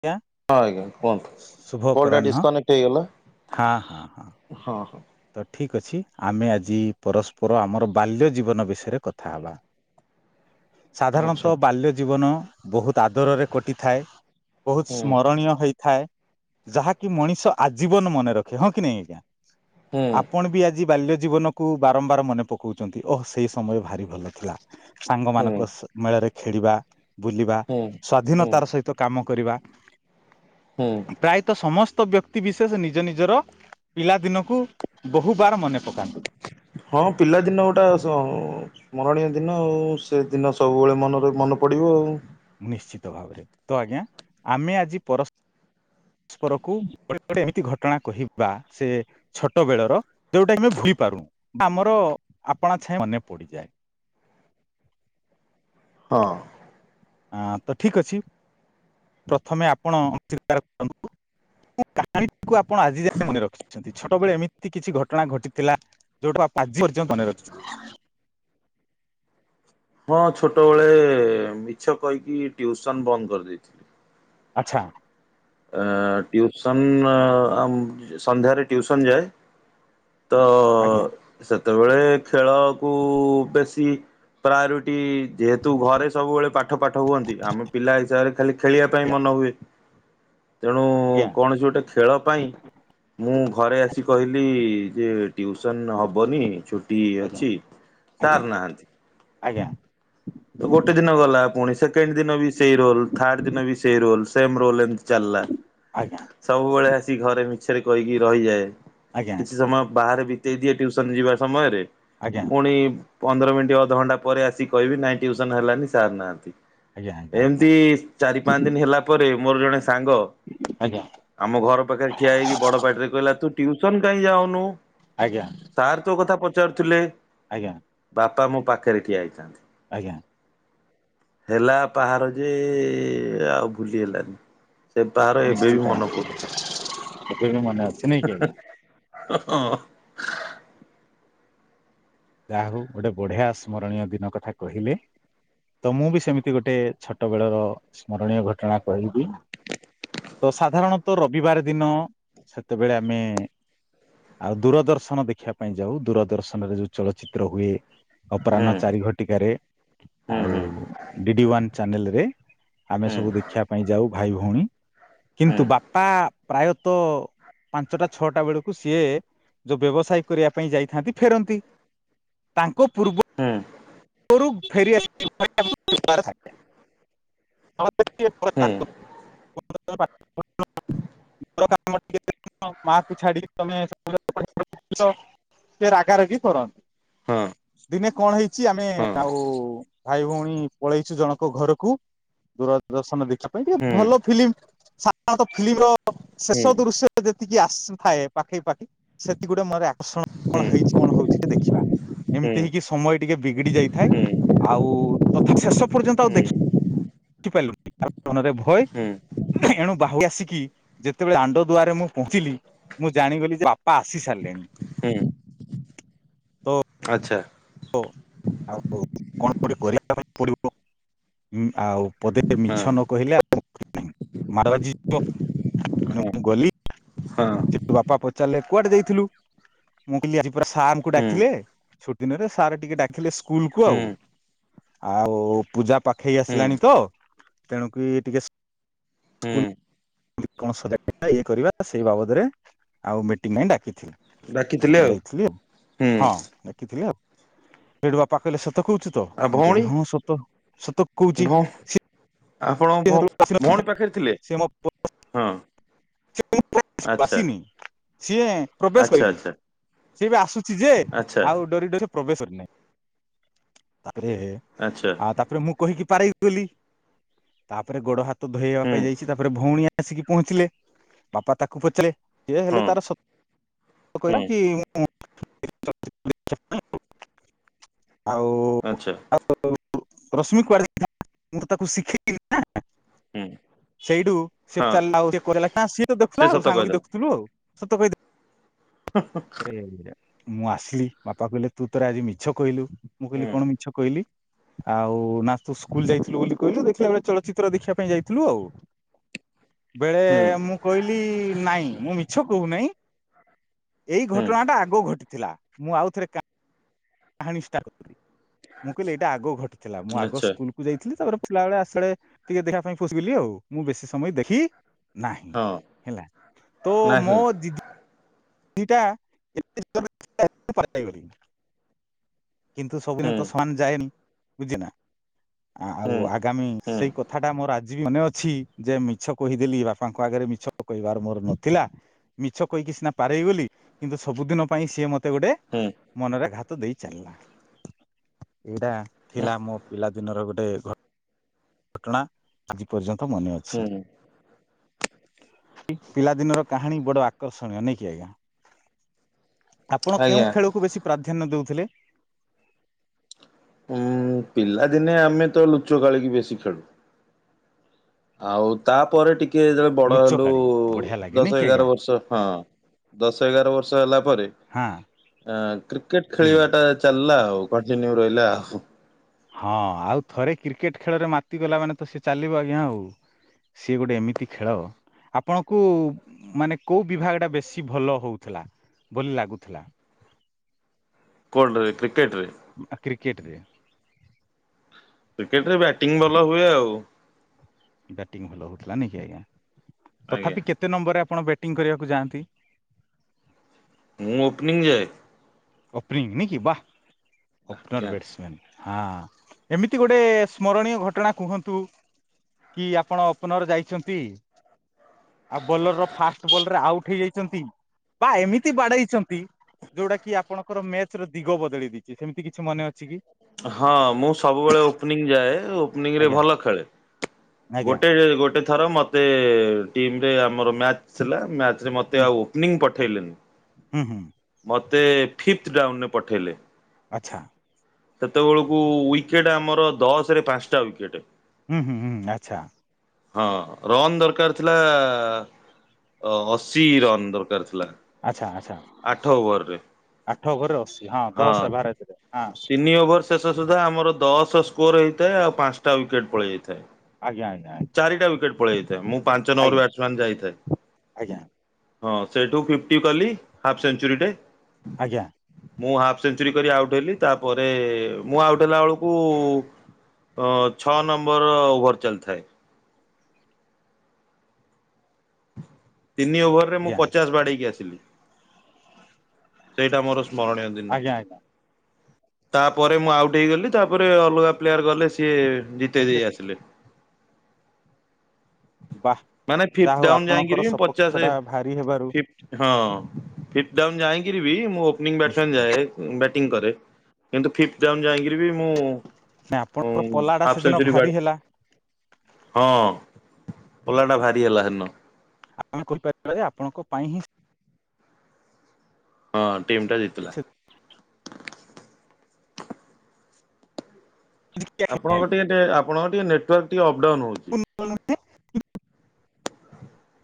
ଆଜ୍ଞା ହଁ ଆଜ୍ଞା କୁହନ୍ତୁ ଶୁଭ କଲ ଟା ଅପରାହ୍ନ ଡିସ୍ କନେକ୍ଟ ହେଇଗଲା ହଁ ହଁ ହଁ ହଁ ହଁ। ତ ଠିକ୍ ଅଛି ଆମେ ଆଜି ପରସ୍ପର ଆମର ବାଲ୍ୟ ଜୀବନ ବିଷୟରେ କଥା ହବା। ହଁ ଆଚ୍ଛା ସାଧାରଣତଃ ବାଲ୍ୟ ଜୀବନ ବହୁତ ଆଦରରେ କଟିଥାଏ। ବହୁତ ହୁଁ ସ୍ମରଣୀୟ ହେଇଥାଏ। ଯାହାକି ମଣିଷ ଆଜୀବନ ମନେ ରଖେ ହଁ କି ନାଇଁ ଆଜ୍ଞା। ହୁଁ ଆପଣ ବି ଆଜି ବାଲ୍ୟ ଜୀବନ କୁ ବାରମ୍ବାର ମନେ ପକଉଛନ୍ତି ଓହ ସେଇ ସମୟ ଭାରି ଭଲ ଥିଲା। ହୁଁ ସାଙ୍ଗମାନଙ୍କ ମେଳରେ ଖେଳିବା ବୁଲିବା ହୁଁ ହୁଁ ସ୍ଵାଧୀନତାର ସହିତ କାମ କରିବା। ହୁଁ ପ୍ରାୟତଃ ସମ ତ ବ୍ୟକ୍ତି ବିଶେଷ ନିଜ ନିଜର ପିଲାଦିନକୁ ବହୁବାର ମନେ ପକାନ୍ତି। ହଁ ପିଲାଦିନ ଗୋଟେ ସ୍ମରଣୀୟ ଦିନ ଆଉ। ସେ ଦିନ ସବୁବେଳେ ମନରେ ମନେ ପଡିବ ଆଉ। ନିଶ୍ଚିତ ଭାବରେ ତ ଆଜ୍ଞା ଆମେ ଆଜି ପରସ୍ପରକୁଟ ଏମିତି ଘଟଣା କହିବା ସେ ଛୋଟ ବେଳର ଯୋଉଟା ଆମେ ଭୁଲି ପାରୁ ଆମର ଆପଣା ଛାଇ ମନେ ପଡିଯାଏ। ହଁ ଅ ତ ଠିକ ଅଛି ପ୍ରଥମେ ଆପଣ ଅସ୍ୱୀକାର କରନ୍ତୁ କା ଆପଣ ଆଜି ଯାଏ ମନେ ରଖିଛନ୍ତି। ଛୋଟବେଳେ ଏମିତି କିଛି ଘଟଣା ଘଟିଥିଲା ଯୋଉଟାକୁ ଆଜି ପର୍ଯ୍ୟନ୍ତ ମନେ ରଖିଛ। ହଁ ଛୋଟବେଳେ ମିଛ କହିକି ଟିଉସନ ବନ୍ଦ କରିଦେଇଥିଲି। ଆଚ୍ଛା। ଅ ଟିଉସନ୍ ସନ୍ଧ୍ୟାରେ ଟିଉସନ୍ ଯାଏ। ତ ଆଜ୍ଞା ସେତେ ସେତେବେଳେ ଖେଳକୁ ବେଶୀ ପ୍ରାୟୋରିଟି ଯେହେତୁ ଘରେ ସବୁବେଳେ ପାଠ ପାଠ ହୁଅନ୍ତି ଆମେ ପିଲା ହିସାବରେ ଖାଲି ଖେଳିବା ପାଇଁ ମନ ହୁଏ। ତେଣୁ ଆଜ୍ଞା କୌଣସି ଗୋଟେ ଖେଳ ପାଇଁ ମୁଁ ଘରେ ଆସି କହିଲି ଯେ ଟିଉସନ ହବନି ଛୁ ଇ ଆଜ୍ଞା ଅଛି ସାର ନାହାନ୍ତି। ଆଜ୍ଞା। ତ ଗୋଟେ ଦିନ ଗଲା ପୁଣି ସେକେଣ୍ଡ ଦିନ ବି ସେଇ ରୋଲ ଥାର୍ଡ ଦିନ ବି ସେଇ ରୋଲ। ସେମ ରୋଲ ଏମିତି ଚାଲିଲା ଆଜ୍ଞା ସବୁବେଳେ ଆସିିକି ଘରେ ମି ମିଛରେ କହିକି ରହିଯାଏ। ଆଜ୍ଞା କିଛି ସମୟ ବାହାରେ ବି ଦେଇ ଦିଏ ଟ୍ୟୁସନ ଯିବା ସମୟରେ ଆଜ୍ଞା ପୁଣି ପନ୍ଦର ମିନିଟ୍ ଅଧଘଣ୍ଟା ପରେ ଆସିକି କହିବି ନାଇଁ ଟିଉସନ ହେଲାନି ସାର୍ ନାହାନ୍ତି। ଆଜ୍ଞା ଆଜ୍ଞା ଆଜ୍ଞା ଆଜ୍ଞା ଏମିତି ଚାରି ପାଞ୍ଚ ଦିନ ହେଲା ପରେ ମୋର ଜଣେ ସାଙ୍ଗ ଆଜ୍ଞା ଆମ ଘର ପାଖରେ ଠିଆ ହେଇକି ବଡ ପାଟିରେ କହିଲା ତୁ ଟ୍ୟୁସନ କାଇଁ ଯାଉନୁ? ଆଜ୍ଞା ସାର୍ ତୋ କଥା ପଚାରୁଥିଲେ। ପଚାରୁଥିଲେ। ଆଜ୍ଞା। ବାପା ମୋ ପାଖରେ ଠିଆ ହେଇଥାନ୍ତି। ଆଜ୍ଞା। ହେଲା ପାହାର ଯେ ଆଉ ଭୁଲି ହେଲାନି। ସେ ପାହାର ବି ନିଶ୍ଚିତ ମନେ ଏବେ ପଡୁଛି ବି ମନେ ଅଛି। [unintelligible] ଓହୋ ଓହୋ। ଯାହା ହଉ ଗୋଟେ ବଢିଆ ସ୍ମରଣୀୟ ଦିନ କଥା କହିଲେ ତ ମୁଁ ବି ସେମିତି ଗୋଟେ ଛୋଟ ବେଳର ସ୍ମରଣୀୟ ଘଟଣା କହିବି। ତ ସାଧାରଣତଃ ରବିବାର ଦିନ ସେତେବେଳେ ଆମେ ଆଉ ଦୂରଦର୍ଶନ ଦେଖିବା ପାଇଁ ଯାଉ ଦୂରଦର୍ଶନରେ ଯୋଉ ଚଳଚ୍ଚିତ୍ର ହୁଏ। ହୁଁ ଅପରାହ୍ନ ହୁଁ। ଚାରି ଘଟିକାରେ ହୁଁ ଆଉ-ଉ-ଉ ଡିଡି ୱାନ୍। ଚ୍ୟାନଲେରେ। ଆମେ ହୁଁ ସବୁ ଦେଖିବା ପାଇଁ ଯାଉ ଭାଇ ଭଉଣୀ। ହୁଁ କିନ୍ତୁ ବାପା ପ୍ରାୟତଃ ପାଞ୍ଚଟା ଛଅଟା ବେଳକୁ ସିଏ ଯୋଉ ବ୍ୟବସାୟ କରିବା ପାଇଁ ଯାଇଥାନ୍ତି ଫେରନ୍ତି। ତାଙ୍କ ପୂର୍ବରୁ ହୁଁ ପୂର୍ବରୁ ଫେରି ଆସିବାର ଥାଏ। [inaudible] ହଁ ହଁ ହୁଁ। ହୁଁ [inaudible] [inaudible] କାମ ଟିକେ ମାକୁ ଛାଡି ତମେ ସବୁ [inaudible] ଯାଇଛ ସେ ରାଗାରାଗି କରନ୍ତି। ହଁ। ଦିନେ କଣ ହେଇ ଚି ଆମେ ଆଉ-ଉ-ଉ। ଭାଇ ଭଉଣୀ ପଳେଇଛୁ ଜଣଙ୍କ ଘରକୁ ଦୂରଦର୍ଶନ ଦେଖି ସେ ପାଇଁ କି ଭଲ ଫିଲ୍ମ। ସାଧାରଣତଃ ଫିଲ୍ମ ର ଶେଷ ଦୃଶ୍ୟରେ ଯେତିକି ଆସୁଥାଏ ପାଖେଇ ପାଖି ସେତିକ ଗୁଟେ ମୋର ଆ [inaudible] ଆସଣ ହୁଁ କଣ ହେଇଛି ହୁଁ କଣ ହଉଛି ଟି ଦେ ଆଚ୍ଛା ଏମିତି ହେଇକି ସମୟ ଟିକେ ବିଗିଡି ଯାଇଥାଏ ହୁଁ ଆଉ-ଉ-ଉ। ତଥାପି ଶେଷ ପର୍ଯ୍ୟନ୍ତ ଆଉ ହୁଁ ଦେଖି ଖିପାରିଲୁନି ଆ ମନରେ ଭୟ ହୁଁ। ଏଣୁ ବାହୁଆ ଆସିକି ଯେତେବେଳେ ଆଣ୍ଡ ଦୁଆରେ ମୁଁ ପହଞ୍ଚିଲି ମୁଁ ଜାଣିଗଲି ଯେ ବାପା ଆସି ସାରିଲେଣି। ହୁଁ। ଆଚ୍ଛା। ଓ ଆଉ କଣ ଗୋଟେ କରିବା ପାଇଁ ପଡିବ ଉମ ଆଉ ପଦେ ହଁ ମିଛ ନ କହିଲେ ଆ [inaudible] ମାଡ ବାଜିବ ଏଣୁ ହଁ ମୁଁ ଗଲି। ହଁ ଚୁ ବାପା ପ ପଚାରିଲେ କୁଆଡେ ଯାଇଥିଲୁ ମୁଁ କହିଲି ଆଜି ପରା ସାରଙ୍କୁ ହୁଁ ଡାକିଲେ ଛୁଟି ଦିନରେ ସାର୍ ଟିକେ ଡାକିଲେ ସ୍କୁଲ କୁ ଆଉ ହୁଁ ଆଉ-ଉ-ଉ ପୂଜା ପାଖେଇ ହୁଁ ଆସିଲାଣି ତ ତେଣୁକି ଟିକେ ହୁଁ ସ୍କୁଲ କଣ ସଜାଡ଼ିବେ ଇଏ କରିବା ସେଇ ବାବଦରେ ଆଉ ମିଟିଙ୍ଗ ପାଇଁ ଡାକିଥି ତେଣୁ ମୁ ଯାଇଥିଲି ଆଉ ହୁଁ ହଁ ଡାକିଥିଲେ ଆଉ। ରେଡୁ ବାପା କହିଲେ ସତ ସତ କହୁଛୁ ତ ଆଉ ମୁଁ ଭଉଣୀ କହିଲି ହଁ ସତ ସତ କହୁଛି ଭ ସେ ଆପଣଙ୍କ ଭଉଣୀ ଭଉଣୀ ପାଖରେ ଥିଲେ ସିଏ ମୋ ହଁ। ଆଚ୍ଛା [unintelligible] ସିଏ ପ୍ରବେଶ ଆଚ୍ଛା କରିନି ଆଚ୍ଛା ସିଏ ବି ଆସୁଛି ଯେ ଆଚ୍ଛା ଆଉ ଡରି ଡରି ପ୍ରବେଶ କରି ନାହିଁ। ତାରେ ଆଚ୍ଛା ଆଉ ତାପରେ ମୁଁ କହିକି ପାରି ତାପରେ ଗୋଡ ହାତ ଧୋଇବା ହୁଁ ପାଇଁ ଯାଇଛି ତାପରେ ଭଉଣୀ ଆସିକି ପହଞ୍ଚିଲେ। ବାପା ତାକୁ ପଚାରିଲେ ସେ ହେଲେ ହଁ ତାର ସତ କହିଲା ହଁ କି ମୁଁ [unintelligible] ଆଉ ଆଚ୍ଛା ଆଉ ରଶ୍ମି କୁଆଡେ [unintelligible] ମୁଁ ତାକୁ ଶିଖେଇଥିଲି ନା। ହୁଁ ସେଇଠୁ ସେ ହଁ ଚାଲିଲା ହଉ କହିଲା କାଇଁ ସିଏ ତ ସେ ଦେଖୁଥିଲା ଆଉ ସତ ସାଙ୍ଗକ କହିଦେଲା ଦେଖୁଥିଲୁ ଆଉ। ସତ କହି ପରେ ହେଇରା ମୁଁ ଆସିଲି ବାପା କହିଲେ ତୁ ତୋର ଆଜି ମିଛ କହିଲୁ। ମୁଁ କହିଲି ହୁଁ କଣ ମିଛ କହିଲି? ଆଉ ନା ତୁ ସ୍କୁଲ ଯାଇଥିଲୁ ବୋଲି କହିଲୁ ଦେଖିଲା ବେଳେ ଚଳଚିତ୍ର ଦେଖିବା ପାଇଁ ଯାଇଥିଲୁ ଆଉ। ବେଳେ ହୁଁ ମୁଁ କହିଲି ନାଇଁ ମୁଁ ମିଛ କହୁନାହିଁ। ଏଇ ହୁଁ ଘଟଣାଟା ଆଗ ଘଟିଥିଲା। ମୁଁ ଆଉ ଥରେ କା କାହାଣୀ ଷ୍ଟାର୍ଟ କଲି ମୁଁ କହିଲି ଏଇଟା ଆଗ ଘଟିଥିଲା ମୁଁ ଆଗ ଆଚ୍ଛା ସ୍କୁଲ କୁ ଯାଇଥିଲି ତାପରେ ଫେରିଲା ବେଳେ ଆସିଲା ବେଳେ ଟିକେ ଦେଖିବା ପାଇଁ ପଶିଗଲି ଆଉ ମୁଁ ବେଶୀ ସମୟ ଦେଖି ନାହିଁ ହଁ ହେଲା ତ ନାହିଁ ମୋ ଦିଦି ଏଇଟା [unintelligible] କିନ୍ତୁ ସବୁଦିନେ ହୁଁ ତ ସମାନ ଯାଏନି। ବୁଝିନା। ଆଉ ହୁଁ ଆଗାମୀ ହୁଁ ସେଇ କଥାଟା ମୋର ଆଜି। ଆଜି ବି ମନେ ଅଛି ଯେ ମିଛ କହିଦେଲି ବାପାଙ୍କ ଆଗରେ ମିଛ କହିବାର ମୋର ନଥିଲା ମିଛ କହିକି ସିନା ପାରେଇ ଗଲି କିନ୍ତୁ ସବୁଦିନ ପାଇଁ ସିଏ ମ ମତେ ଏତେ ଗୋଟେ ହୁଁ ମନରେ ଘାତ ତ ଦେଇ ଚାଲିଲା। ଏଇଟା ଥିଲା ମୋ ପିଲା ଦିନର ଗୋ ଟେ ଘ ଘଟଣା ଆଜି ପର୍ଯ୍ୟ ତ ମନେ ଅଛି। ହୁଁ ଠି ପିଲାଦିନର କାହାଣୀ ବଡ଼ ଆକର୍ଷଣୀୟ ନାଇକି ଆଜ୍ଞା। ଆପଣ ଆଜ୍ଞା କେଉଁ ଖେଳକୁ ବେଶୀ ପ୍ରାଧାନ୍ୟ ଦଉ ଥିଲେ। ଉଁମ-ମ-ମ ପିଲାଦିନେ ଆମେ ତ ଲୁଚକାଳି କି ବେଶୀ ଖେଳୁ। ଆଉ-ଉ-ଉ ତାପରେ ଟି କିଏ-ଏ-ଏ ଯେତେବେଳେ ବଡ ଲୁଚକାଳି ହେଲୁ-ଲୁ-ଲୁ ବଢିଆ ଲାଗେ ନାଇଁ ଦଶ କି ଏଗାର ଆଜ୍ଞା ବର୍ଷ ହଁ ଦଶ ଏଗାର ବର୍ଷ ହେଲା ପରେ ହଁ ଆଁ କ୍ରିକେଟ ହୁଁ ଖେଳିବା ଟା ଚାଲିଲା ହଉ କଣ୍ଟିନ୍ୟୁ ରହିଲା ଆଉ। ହଁ-ଅ-ଅ ଆଉ ଥରେ କ୍ରିକେଟ ଖେଳରେ ମାତିଗଲା ମାନେ ତ ସେ ଚାଲିବ ଆଜ୍ଞା ଆଉ ସିଏ ଗୋଟେ ଏମିତି ଖେଳ ଆପଣଙ୍କୁ-କୁ-କୁ ମାନେ କୋଉ ବିଭାଗ ଟା ବେଶୀ ଭଲ ହଉଥିଲା ବୋଲି ଲାଗୁଥିଲା। କୋଡ ରେ କ୍ରିକେଟ ରେ। କ୍ରିକେଟରେ। କ୍ରିକେଟରେ ବ୍ୟାଟିଙ୍ଗ ଭଲ ହୁଏ ଆଉ। ବ୍ୟାଟିଙ୍ଗ ଭଲ ହଉଥିଲା ନାଇକି ଆଜ୍ଞା। ଆଜ୍ଞା। ତଥାପି କେତେ ନମ୍ବରରେ ଆପଣ ବ୍ୟାଟି ଵ୍ୟାଟିଙ୍ଗ କରିବାକୁ ଯାଆନ୍ତି। ମୁଁ ଓପନିଙ୍ଗ ଯାଏ। ଓପନିଙ୍ଗ ନାଇକିି ୱା। ଓପନର ଆଜ୍ଞା। ଵ୍ୟାଟ୍ସମ୍ୟାନ୍। ହଁ ଏମିତି ଗୋଟେ-ଟେ-ଟେ ସ୍ମରଣୀୟ ଘଟଣା କୁହନ୍ତୁ କି ଆପଣ ଓପନର ଯାଇଛନ୍ତି। ଆଉ ବୋଲର ର ଫାର୍ଷ୍ଟ ବଲ ରେ ଆଉଟ। ଉଟ ଯାଇଛନ୍ତି ବା ଏମିତି ବାଡେଇଛନ୍ତି ଯୋଉଟା କି ଆ ଆପଣଙ୍କର ମ୍ୟାଚ ର ଦିଗ ବଦଳି ଦେଇଛି ସେମିତି କିଛି ମନେ ଅଛି କି। ହଁ-ଅ-ଅ ମୁଁ ସବୁବେଳେ ଓପନିଙ୍ଗ ଯାଏ ଓପନିଙ୍ଗ ରେ ଆଜ୍ଞା ଭଲ ଖେଳେ ଆଜ୍ଞା ଗୋଟେ ଗୋଟେ। ଏଥର ମୋତେ-ତେ-ତେ ଟିମ ରେ ଆମର ମ୍ୟାଚ୍ ଥିଲା ମ୍ୟାଚ୍ ମତେ ହୁଁ ଆଉ ଓପନିଙ୍ଗ ପଠ ଠେଲେନି। ହୁଁ ହୁଁ ମତେ-ତେ-ତେ ଫିର ଡାଉନରେ ପଠେଇଲେ। ଆଚ୍ଛା। ସେତେବେଳକୁ-କୁ-କୁ ୱିକେଟ ଆମର ଦଶ ରେ ପାଞ୍ଚଟା ୱିକେଟେ। ହୁଁ ହୁଁ ହୁଁ ଆଚ୍ଛା। ହଁ ରନ୍ ଦରକାର ଥିଲା ଆ ଅସ୍ ସି ରନ୍ ଦରକାର ଥିଲା ଆଚ୍ଛା ଆଚ୍ଛା ଆଠ ଓଭରରେ। ଆଠ ଘରେ ଅଶୀ ହଁ ଦଶ ଭାରତରେ ହଁ। ତିନି ଓଭର ଶେଷ ସୁଦ୍ଧା ଆମର ଦଶ ଛ ସ୍କୋର ହେଇଥାଏ ଆଉ ପାଂଶଟା ୱିକେଟ୍ ପଳେଇ ଯାଇଥାଏ। ଆଜ୍ଞା ଆଜ୍ଞା। ଚାରିଟା ୱିକେଟ୍ ପଳେଇ ମୁଁ ପାଞ୍ଚ ନମ୍ବର ଆଜ୍ଞା ବ୍ୟାଟ୍ସମ୍ୟାନ୍ ଯାଇଥାଏ। ଆଜ୍ଞା ଜ ହଁ ସେଇଠୁ ଫିଫ୍ଟି କଲି ହାଫ୍ ସେଚୁରୀଟେ ଆଜ୍ଞା। ମୁଁ ହାଫ୍ ସେଞ୍ଚୁରୀ କରି ଆଉଟ୍ ହେଲି ତାପରେ ମୁଁ ଆଉଟ୍ ହେଲା ଅଳୁକୁ ଅ ଛଅ ନମ୍ବର ଓଭର ଚାଲିଥାଏ। ତିନି ଓଭରରେ ମୁଁ ପଚାଶ ବାଡ଼େଇକି ଆସିଲି। ସେଇଟା ମୋର ସ୍ମରଣୀୟ ଦିନ। ଆଜ୍ଞା ଆଜ୍ଞା ଆଜ୍ଞା ତାପରେ ମୁଁ ଆଉଟ୍ ହେଇଗଲି। ତାପରେ ଅଲଗା ପ୍ଲେୟାର ଗଲେ ସିଏ ଜିତେଇ ଏତେ ଦେଇ ଆସିଲେ। ବାଃ ମାନେ ଯାହା ଫିପଥ ହଉ ଡାଉନ ଆପଣଙ୍କର ଯାଇକିରି ସପକ୍ଷ ପଚାଶ ଟା ଭାରି ହେବାରୁ ଫିପଥ ହଁ। ଫିପଥ ଡାଉନ୍ ଯାଇଁ କିରି ବି ମୋ ୱିନିଙ୍ଗ୍ ବ୍ୟାଟ୍ସମ୍ୟାନ୍ ନିଶ୍ଚୟ ଯାଏ। ଉଁ ବ୍ୟା ଟିଂ କରେ କିନ୍ତୁ ଫିପଥ ଡାଉନ୍ ଯାଇଁକିରି ବି ମୁଁ ନାଇଁ ଉଁ ଆପଣଙ୍କର ପଲା ଟା ହାପ୍ ସେଦିନ ସେଞ୍ଚୁରୀ ଭାରି ବାଡ଼େ ହେଲା ହଁ। ପଲାଟା ଭାରି ହେଲା ହେଦିନ। ଆମେ କହିପାରିବା ଯେ ଆପଣଙ୍କ ପାଇଁ ହିଁ ହଁ।। ଟିମ୍ ଟା ଜିତିଲା। ସେ- ହ୍ୟାଲୋ ଆପଣଙ୍କ ଟେଣ୍ଟେ ଆ ଆପଣଙ୍କ ଟିକେ ନେଟୱାର୍କ ଟିକେ ଅ ପଡାଉନ ହୋଉଚି [unintelligible] ହୁଁ।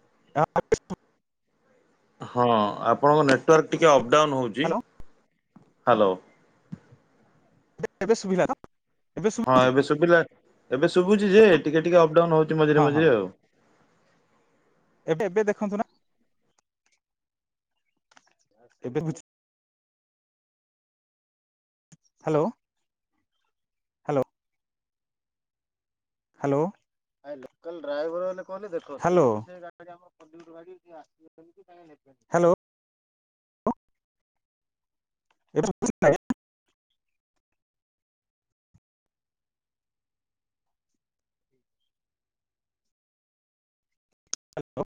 [unintelligible] ହଁ ଆପଣଙ୍କ ନେଟୱାର୍କ ଟିକେ ଅ ପଡାଉନ୍ ହୋଉଚି ହାଲୋ। ଏବେ ଏବେ ଶୁଭିଲା ତ? ଏବେ ହଁ ଶୁଭୁଛି ଏବେ ଶୁଭିଲା। ଏବେ ଶୁଭୁଚି ଯେ ଟିକେ ଟିକେ ଅପଡାଉନ ହୋଉଚି ମଝିରେ ହଁ ହଁ ମଝିରେ ଆଉ। ଏବେ ଏବେ ଦେଖନ୍ତୁ ନାଁ। ଏବେ ମୁଚ୍ ହାଲୋ। ହାଲୋ। ହ୍ୟାଲୋ ଭାଇ ଲୋକାଲ ଡ୍ରାଇଭର ମାନେ କଣ ଟିକେ ଦେଖ ହାଲୋ ହାଲୋ ହ୍ୟାଲୋ।